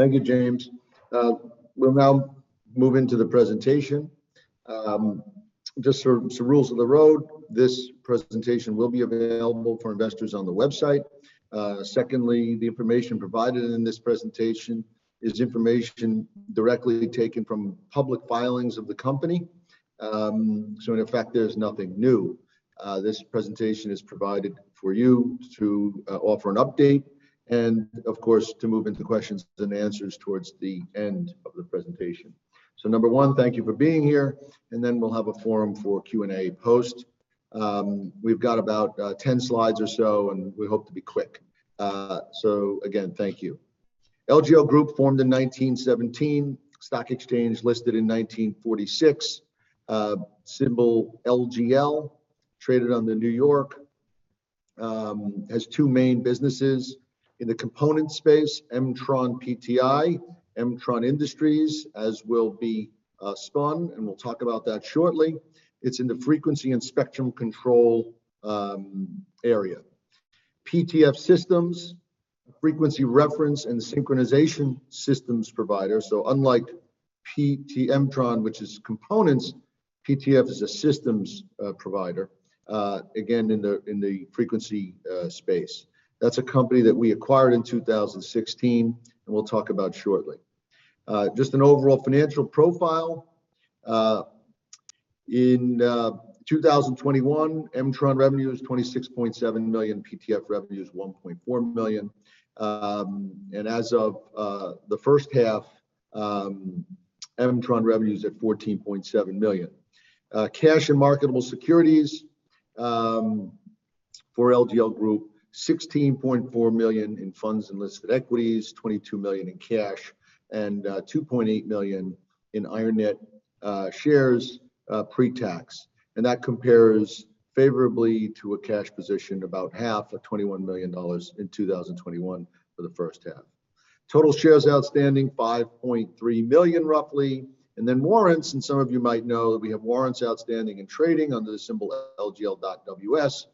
Thank you, James. We'll now move into the presentation. Just some rules of the road. This presentation will be available for investors on the website. Secondly, the information provided in this presentation is information directly taken from public filings of the company. In effect, there's nothing new. This presentation is provided for you to offer an update and of course, to move into questions and answers towards the end of the presentation. Number one, thank you for being here, and then we'll have a forum for Q&A post. We've got about 10 slides or so, and we hope to be quick. Again, thank you. LGL Group formed in 1917. Stock exchange listed in 1946. Symbol LGL, traded under New York. Has two main businesses. In the component space, MtronPTI, M-tron Industries as will be spun, and we'll talk about that shortly. It's in the frequency and spectrum control area. PTF, a frequency reference and synchronization systems provider. Unlike MtronPTI, which is components, PTF is a systems provider, again, in the frequency space. That's a company that we acquired in 2016, and we'll talk about shortly. Just an overall financial profile. In 2021, MtronPTI revenue was $26.7 million. PTF revenue was $1.4 million. As of the first half, MtronPTI revenue is at $14.7 million. Cash and marketable securities for LGL Group, $16.4 million in funds and listed equities, $22 million in cash, and $2.8 million in IronNet shares, pre-tax. That compares favorably to a cash position about half of $21 million in 2021 for the first half. Total shares outstanding, 5.3 million, roughly. Then warrants, and some of you might know that we have warrants outstanding and trading under the symbol LGL.WS.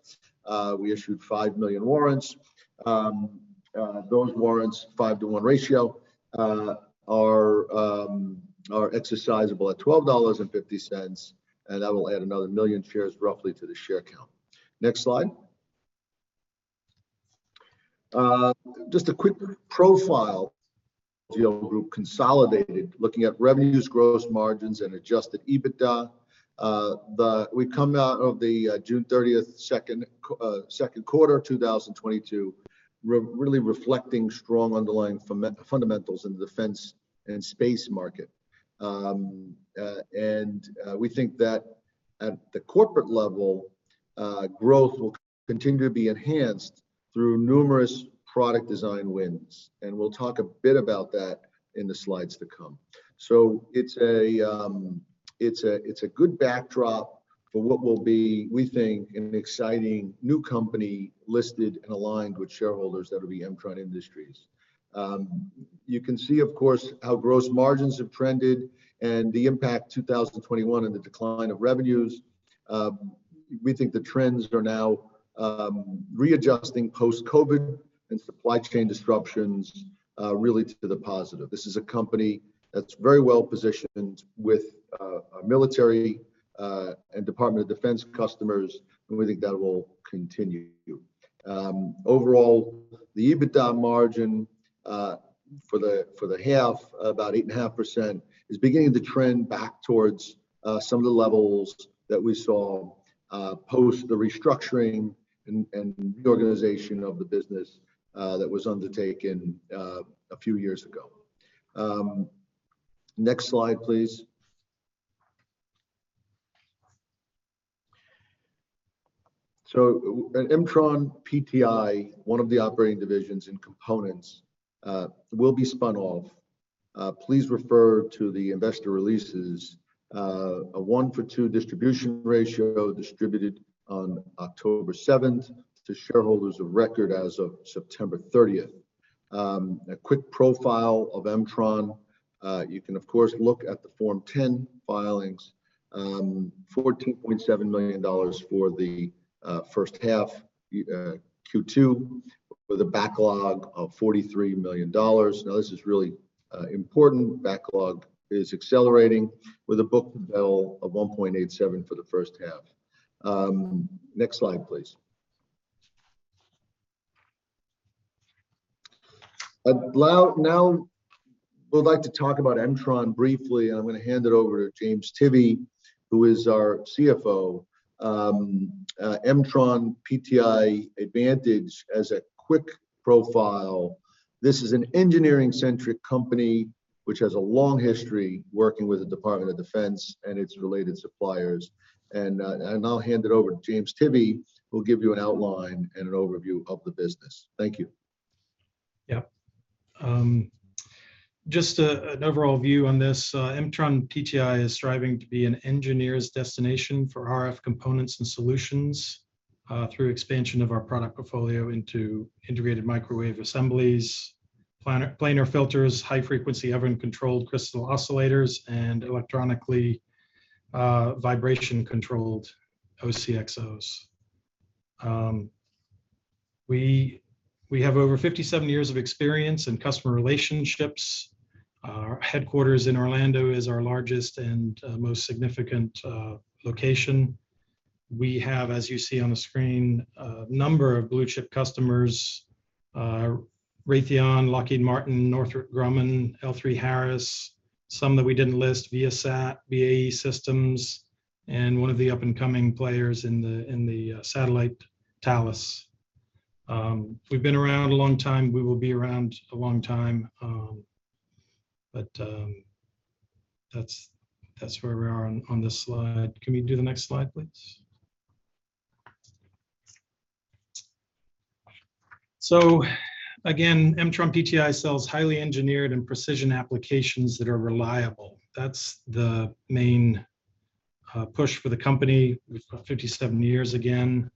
We issued 5 million warrants. Those warrants, five-to-one ratio, are exercisable at $12.50, and that will add another 1 million shares roughly to the share count. Next slide. Just a quick profile of LGL Group consolidated, looking at revenues, gross margins, and adjusted EBITDA. We come out of the June 30 second quarter of 2022 really reflecting strong underlying fundamentals in the defense and space market. We think that at the corporate level, growth will continue to be enhanced through numerous product design wins, and we'll talk a bit about that in the slides to come. It's a good backdrop for what will be, we think, an exciting new company listed and aligned with shareholders that will be M-tron Industries. You can see, of course, how gross margins have trended and the impact of 2021 and the decline of revenues. We think the trends are now readjusting post-COVID and supply chain disruptions really to the positive. This is a company that's very well-positioned with our military and Department of Defense customers, and we think that will continue. Overall, the EBITDA margin for the half, about 8.5%, is beginning to trend back towards some of the levels that we saw post the restructuring and reorganization of the business that was undertaken a few years ago. Next slide, please. At MtronPTI, one of the operating divisions and components, will be spun off. Please refer to the investor releases. A one-for-two distribution ratio distributed on October seventh to shareholders of record as of September thirtieth. A quick profile of MtronPTI. You can of course look at the Form 10 filings. $14.7 million for the first half, Q2, with a backlog of $43 million. Now, this is really important. Backlog is accelerating with a book-to-bill of 1.87 for the first half. Next slide, please. Now we'd like to talk about M-tron briefly, and I'm gonna hand it over to James Tivy, who is our CFO. MtronPTI advantage as a quick profile. This is an engineering-centric company which has a long history working with the Department of Defense and its related suppliers. I'll hand it over to James Tivy, who will give you an outline and an overview of the business. Thank you. Yeah. Just an overall view on this. MtronPTI is striving to be an engineer's destination for RF components and solutions through expansion of our product portfolio into integrated microwave assemblies, planar filters, high frequency oven controlled crystal oscillators, and electronically vibration compensated OCXOs. We have over 57 years of experience in customer relationships. Our headquarters in Orlando is our largest and most significant location. We have, as you see on the screen, a number of blue chip customers, Raytheon, Lockheed Martin, Northrop Grumman, L3Harris. Some that we didn't list, Viasat, BAE Systems, and one of the up and coming players in the satellite, Thales. We've been around a long time. We will be around a long time, but that's where we are on this slide. Can we do the next slide, please? Again, MtronPTI sells highly engineered and precision applications that are reliable. That's the main push for the company. We've got 57 years again.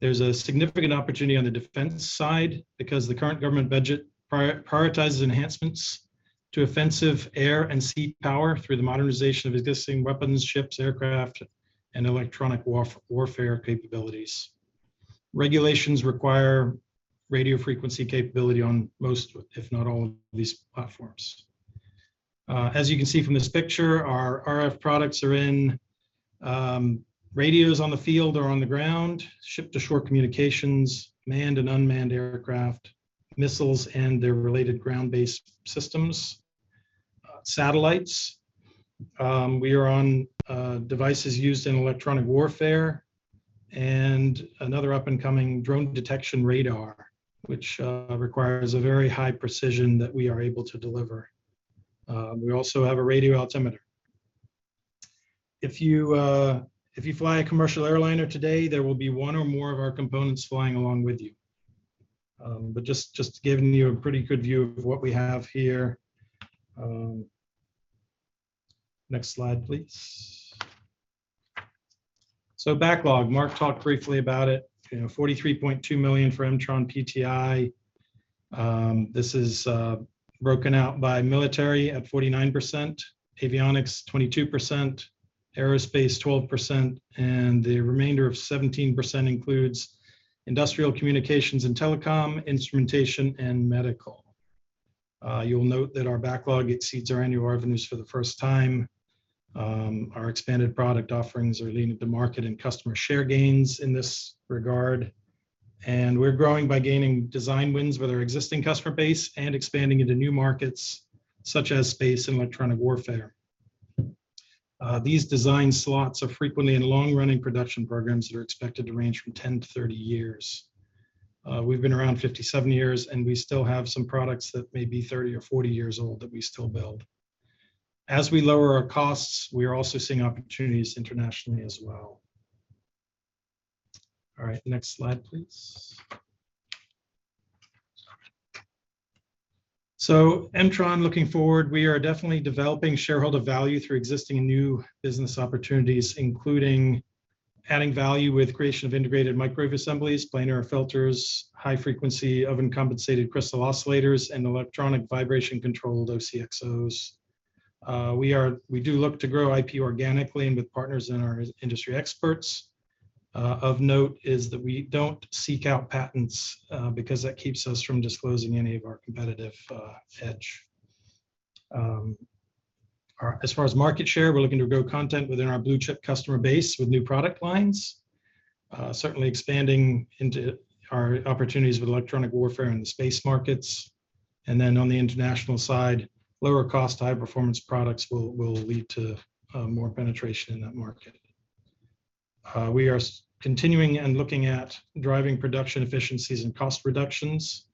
There's a significant opportunity on the defense side because the current government budget prioritizes enhancements to offensive air and sea power through the modernization of existing weapons, ships, aircraft, and electronic warfare capabilities. Regulations require radio frequency capability on most, if not all, of these platforms. As you can see from this picture, our RF products are in radios on the field or on the ground, ship-to-shore communications, manned and unmanned aircraft, missiles and their related ground-based systems, satellites. We are on devices used in electronic warfare and another up and coming drone detection radar, which requires a very high precision that we are able to deliver. We also have a radio altimeter. If you fly a commercial airliner today, there will be one or more of our components flying along with you. Just giving you a pretty good view of what we have here. Next slide, please. Backlog, Marc talked briefly about it. You know, $43.2 million for MtronPTI. This is broken out by military at 49%, avionics 22%, aerospace 12%, and the remainder of 17% includes industrial communications and telecom, instrumentation, and medical. You'll note that our backlog exceeds our annual revenues for the first time. Our expanded product offerings are leading to market and customer share gains in this regard. We're growing by gaining design wins with our existing customer base and expanding into new markets such as space and electronic warfare. These design slots are frequently in long-running production programs that are expected to range from 10-30 years. We've been around 57 years, and we still have some products that may be 30 or 40 years old that we still build. As we lower our costs, we are also seeing opportunities internationally as well. All right, next slide, please. MtronPTI, looking forward, we are definitely developing shareholder value through existing and new business opportunities, including adding value with creation of integrated microwave assemblies, planar filters, high-frequency oven-controlled crystal oscillators, and electronically vibration-compensated OCXOs. We do look to grow IP organically and with partners in our industry experts. Of note is that we don't seek out patents, because that keeps us from disclosing any of our competitive edge. As far as market share, we're looking to grow content within our blue chip customer base with new product lines. Certainly expanding into our opportunities with electronic warfare and the space markets. On the international side, lower cost, high-performance products will lead to more penetration in that market. We are continuing and looking at driving production efficiencies and cost reductions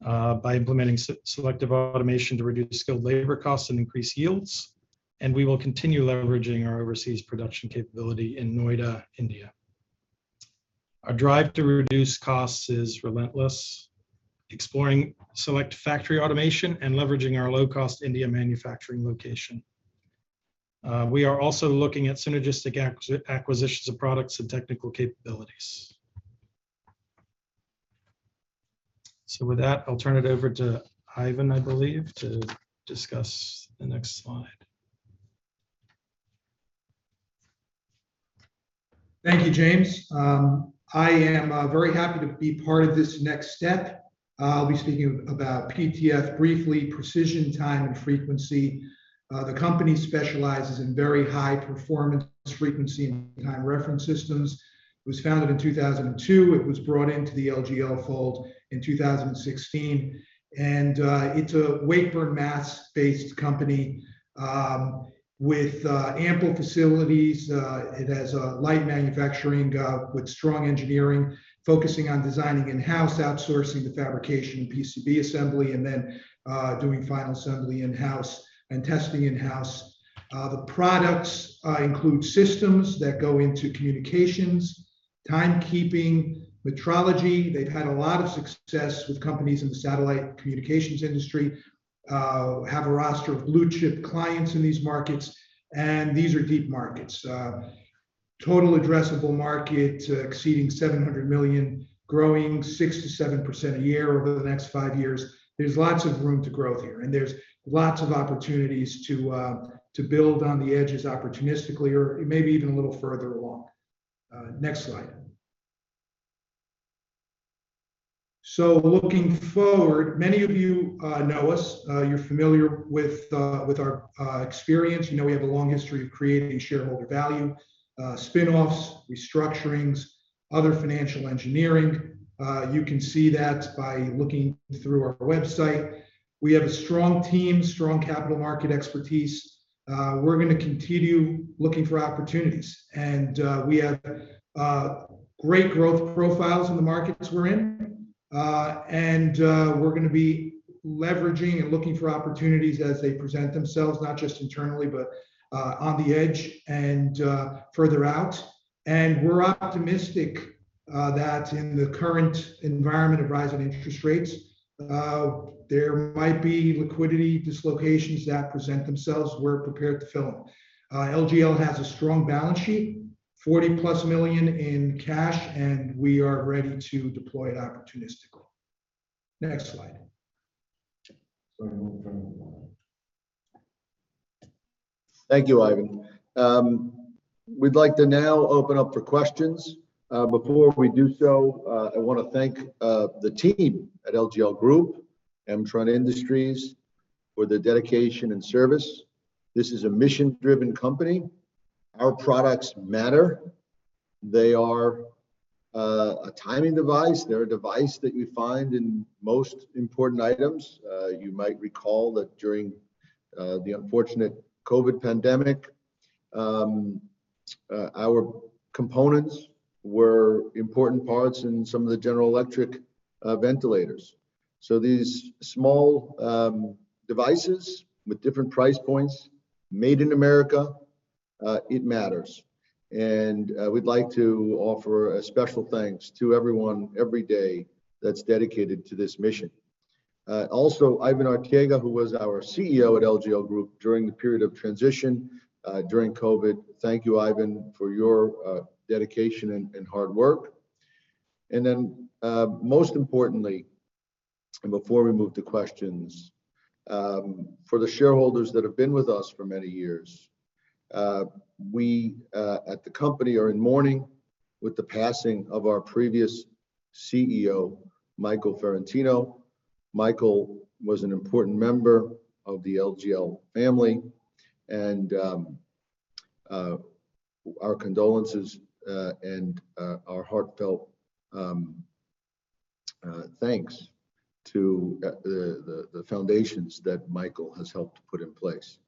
by implementing selective automation to reduce skilled labor costs and increase yields. We will continue leveraging our overseas production capability in Noida, India. Our drive to reduce costs is relentless, exploring select factory automation and leveraging our low-cost India manufacturing location. We are also looking at synergistic acquisitions of products and technical capabilities. With that, I'll turn it over to Ivan, I believe, to discuss the next slide. Thank you, James. I am very happy to be part of this next step. I'll be speaking about PTF briefly, Precision Time and Frequency. The company specializes in very high-performance frequency and time reference systems. It was founded in 2002. It was brought into the LGL fold in 2016. It's a Wakefield, Massachusetts-based company with ample facilities. It has light manufacturing with strong engineering, focusing on designing in-house, outsourcing the fabrication and PCB assembly, and then doing final assembly in-house and testing in-house. The products include systems that go into communications, timekeeping, metrology. They've had a lot of success with companies in the satellite communications industry, have a roster of blue chip clients in these markets, and these are deep markets. Total addressable market exceeding $700 million, growing 6%-7% a year over the next five years. There's lots of room for growth here, and there's lots of opportunities to build on the edges opportunistically or maybe even a little further along. Next slide. Looking forward, many of you know us. You're familiar with our experience. You know we have a long history of creating shareholder value, spin-offs, restructurings, other financial engineering. You can see that by looking through our website. We have a strong team, strong capital market expertise. We're gonna continue looking for opportunities, and we have great growth profiles in the markets we're in. We're gonna be leveraging and looking for opportunities as they present themselves, not just internally, but on the edge and further out. We're optimistic that in the current environment of rising interest rates, there might be liquidity dislocations that present themselves. We're prepared to fill in. LGL has a strong balance sheet, $40+ million in cash, and we are ready to deploy it opportunistically. Next slide. Thank you, Ivan. We'd like to now open up for questions. Before we do so, I wanna thank the team at LGL Group, M-tron Industries, for their dedication and service. This is a mission-driven company. Our products matter. They are a timing device. They're a device that you find in most important items. You might recall that during the unfortunate COVID pandemic, our components were important parts in some of the General Electric ventilators. These small devices with different price points made in America, it matters. We'd like to offer a special thanks to everyone every day that's dedicated to this mission. Also, Ivan Arteaga, who was our CEO at LGL Group during the period of transition during COVID, thank you, Ivan, for your dedication and hard work. Most importantly, before we move to questions, for the shareholders that have been with us for many years, we at the company are in mourning with the passing of our previous CEO, Michael Ferrantino. Michael was an important member of the LGL family, and our condolences and our heartfelt thanks to the foundations that Michael has helped put in place.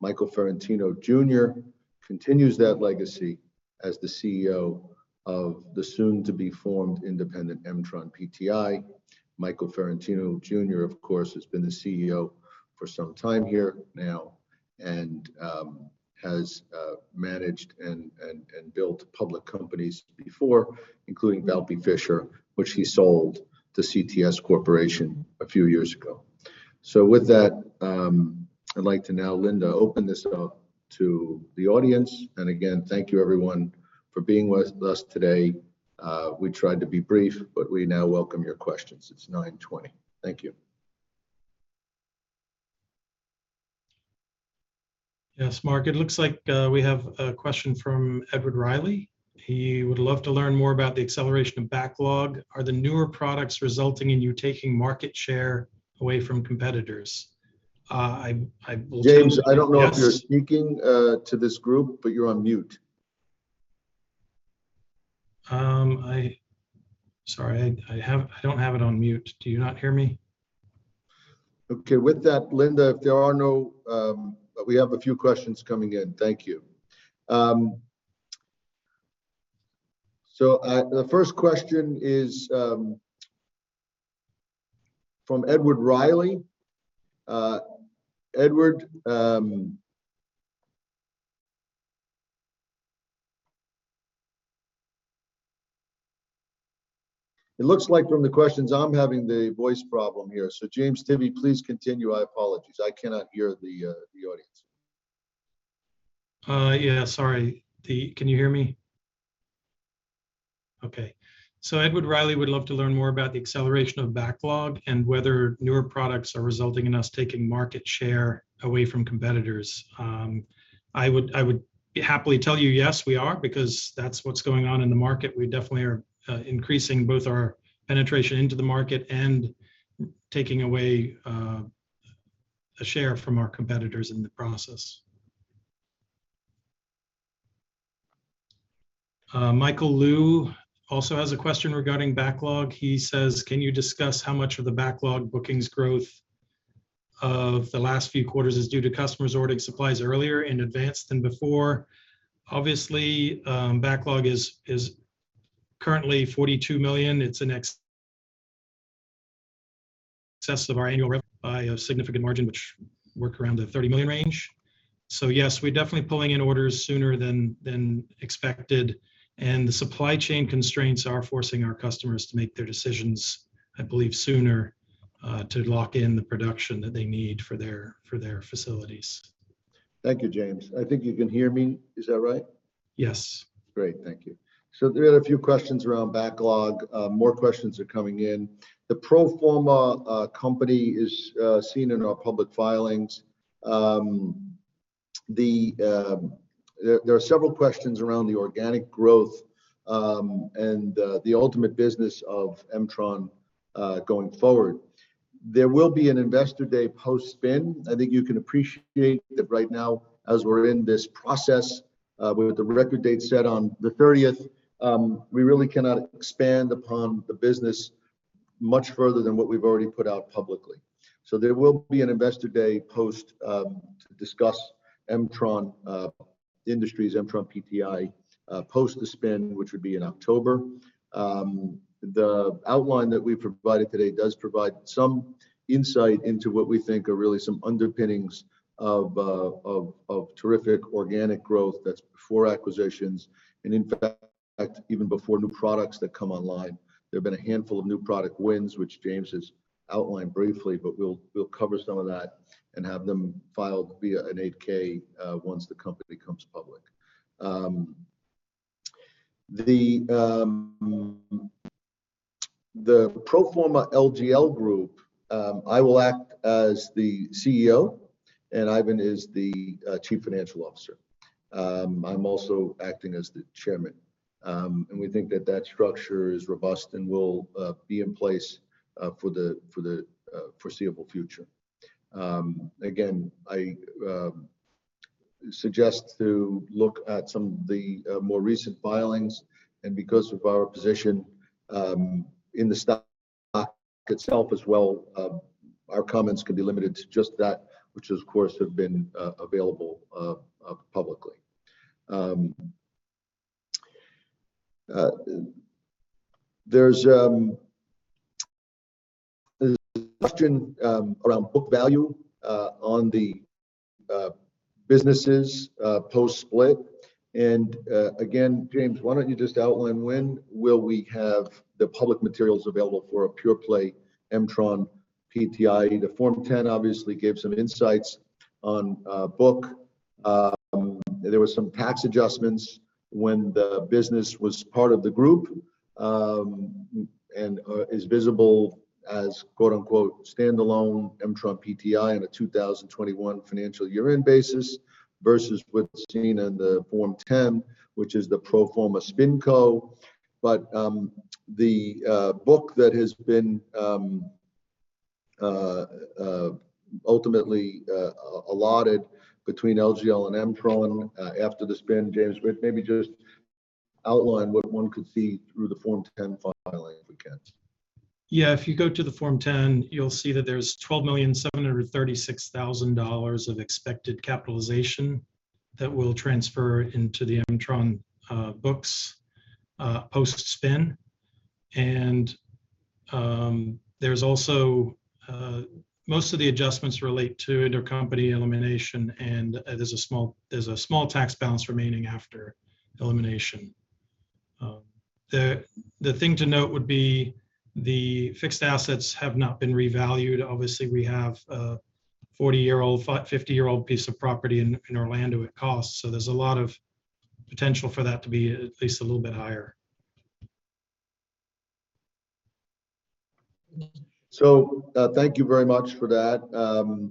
Michael Ferrantino Jr. continues that legacy as the CEO of the soon-to-be-formed independent MtronPTI. Michael Ferrantino Jr., of course, has been the CEO for some time here now and has managed and built public companies before, including Valpey-Fisher, which he sold to CTS Corporation a few years ago. With that, I'd like to now, Linda, open this up to the audience. Again, thank you everyone for being with us today. We tried to be brief, but we now welcome your questions. It's 9:20 A.M. Thank you. Yes, Marc, it looks like we have a question from Edward Riley. He would love to learn more about the acceleration of backlog. Are the newer products resulting in you taking market share away from competitors? James, I don't know if you're speaking to this group, but you're on mute. Sorry, I don't have it on mute. Do you not hear me? Okay. With that, Linda, we have a few questions coming in. Thank you. The first question is from Edward Riley. Edward, it looks like from the questions I'm having the voice problem here. James Tivy, please continue. I apologize. I cannot hear the audience. Can you hear me? Okay. Edward Riley would love to learn more about the acceleration of backlog and whether newer products are resulting in us taking market share away from competitors. I would happily tell you, yes, we are, because that's what's going on in the market. We definitely are increasing both our penetration into the market and taking away a share from our competitors in the process. Michael Liu also has a question regarding backlog. He says, "Can you discuss how much of the backlog bookings growth of the last few quarters is due to customers ordering supplies earlier in advance than before?" Obviously, backlog is currently $42 million. It's in excess of our annual rev by a significant margin, which is around the $30 million range. Yes, we're definitely pulling in orders sooner than expected, and the supply chain constraints are forcing our customers to make their decisions, I believe, sooner to lock in the production that they need for their facilities. Thank you, James. I think you can hear me. Is that right? Yes. Great. Thank you. There are a few questions around backlog. More questions are coming in. The pro forma company is seen in our public filings. There are several questions around the organic growth and the ultimate business of M-tron going forward. There will be an investor day post-spin. I think you can appreciate that right now as we're in this process with the record date set on the 30th, we really cannot expand upon the business much further than what we've already put out publicly. There will be an investor day post to discuss M-tron Industries, MtronPTI post the spin, which would be in October. The outline that we provided today does provide some insight into what we think are really some underpinnings of terrific organic growth that's before acquisitions and in fact, even before new products that come online. There have been a handful of new product wins, which James has outlined briefly, but we'll cover some of that and have them filed via an 8-K once the company becomes public. The pro forma LGL Group, I will act as the CEO and Ivan is the Chief Financial Officer. I'm also acting as the Chairman. We think that structure is robust and will be in place for the foreseeable future. Again, I suggest to look at some of the more recent filings and because of our position in the stock itself as well, our comments can be limited to just that, which of course have been available publicly. There's a question around book value on the businesses post-split. Again, James, why don't you just outline when will we have the public materials available for a pure play MtronPTI? The Form 10 obviously gave some insights on book. There were some tax adjustments when the business was part of the group, and is visible as quote-unquote standalone MtronPTI on a 2021 financial year-end basis versus what's seen in the Form 10, which is the pro forma spin co. The book that has been ultimately allotted between LGL and M-tron, after the spin, James, maybe just outline what one could see through the Form 10 filing if we can. Yeah, if you go to the Form 10, you'll see that there's $12,736,000 of expected capitalization that will transfer into the M-tron books post-spin. There's also most of the adjustments relate to intercompany elimination, and there's a small tax balance remaining after elimination. The thing to note would be the fixed assets have not been revalued. Obviously, we have a 50-year-old piece of property in Orlando at cost. There's a lot of potential for that to be at least a little bit higher. Thank you very much for that.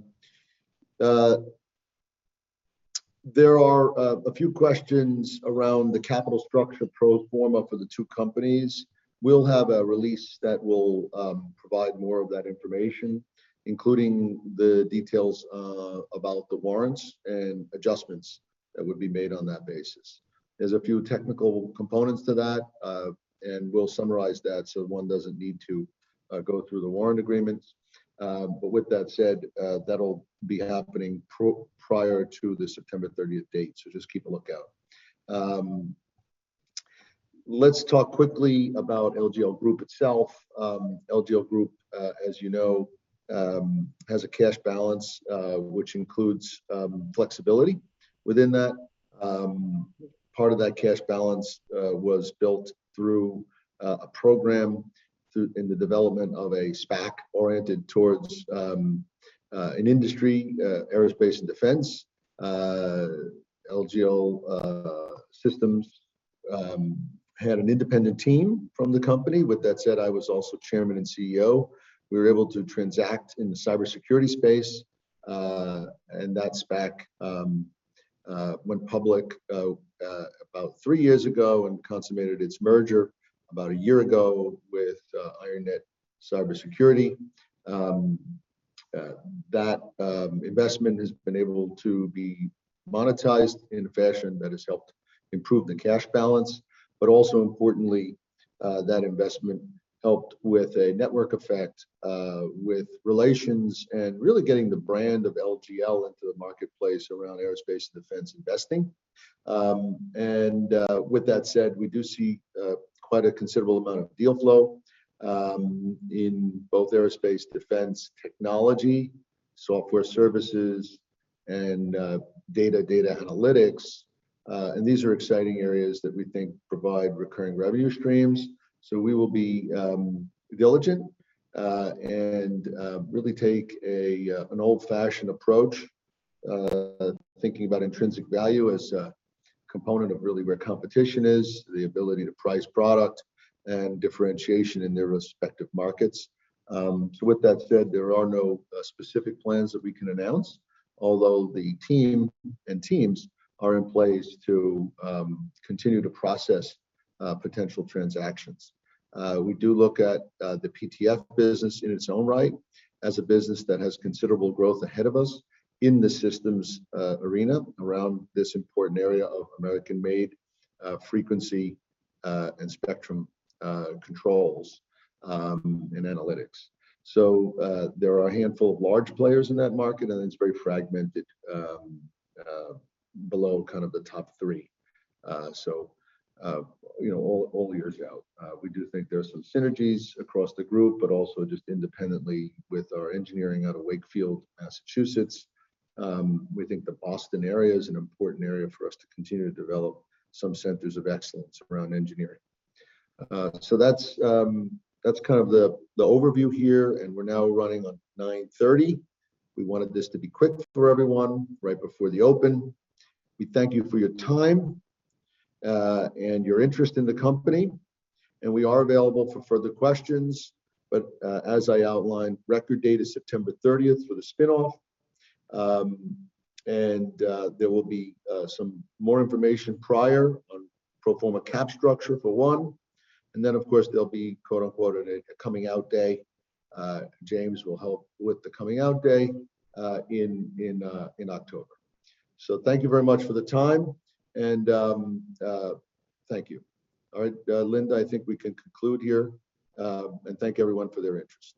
There are a few questions around the capital structure pro forma for the two companies. We'll have a release that will provide more of that information, including the details about the warrants and adjustments that would be made on that basis. There are a few technical components to that, and we'll summarize that so one doesn't need to go through the warrant agreements. But with that said, that'll be happening prior to the September thirtieth date. Just keep a lookout. Let's talk quickly about LGL Group itself. LGL Group, as you know, has a cash balance, which includes flexibility within that. Part of that cash balance was built through a program in the development of a SPAC oriented towards an industry, aerospace and defense. LGL Systems Acquisition Corp. had an independent team from the company. With that said, I was also Chairman and CEO. We were able to transact in the cybersecurity space, and that SPAC went public about three years ago and consummated its merger about a year ago with IronNet Cybersecurity. That investment has been able to be monetized in a fashion that has helped improve the cash balance, but also importantly, that investment helped with a network effect with relations and really getting the brand of LGL into the marketplace around aerospace and defense investing. With that said, we do see quite a considerable amount of deal flow in both aerospace, defense, technology, software services and data analytics. These are exciting areas that we think provide recurring revenue streams. We will be diligent and really take an old-fashioned approach thinking about intrinsic value as a component of really where competition is, the ability to price product and differentiation in their respective markets. With that said, there are no specific plans that we can announce, although the team and teams are in place to continue to process potential transactions. We do look at the PTF business in its own right as a business that has considerable growth ahead of us in the systems arena around this important area of American-made frequency and spectrum controls and analytics. There are a handful of large players in that market, and it's very fragmented below kind of the top three. You know, all ears out. We do think there are some synergies across the group, but also just independently with our engineering out of Wakefield, Massachusetts. We think the Boston area is an important area for us to continue to develop some centers of excellence around engineering. That's kind of the overview here, and we're now running on 9:30 A.M. We wanted this to be quick for everyone right before the open. We thank you for your time and your interest in the company. We are available for further questions, but as I outlined, record date is September thirtieth for the spin-off. There will be some more information prior on pro forma capital structure for one. Then, of course, there'll be quote-unquote a coming out day. James will help with the coming out day in October. Thank you very much for the time and thank you. All right. Linda, I think we can conclude here and thank everyone for their interest.